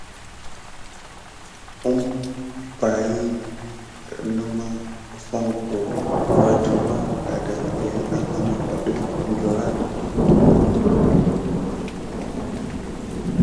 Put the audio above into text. Umpay ne mā foŋko va ɗurwa ada epəŋle amagava def perine.